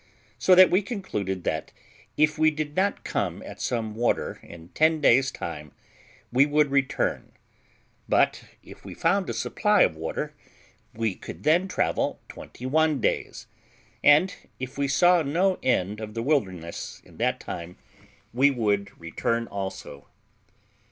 So that we concluded that, if we did not come at some water in ten days' time, we would return; but if we found a supply of water, we could then travel twenty one days; and, if we saw no end of the wilderness in that time, we would return also.